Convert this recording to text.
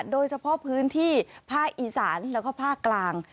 โดยเฉพาะพื้นที่ภาคอีสานแล้วก็ภาคกลาง